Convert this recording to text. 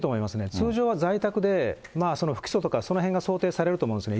通常は在宅でその不起訴とか、そのへんが想定されると思うんですね。